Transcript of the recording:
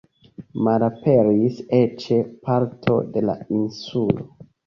Malaperis eĉ parto de la insulo.